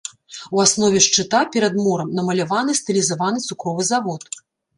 У аснове шчыта, перад морам, намаляваны стылізаваны цукровы завод.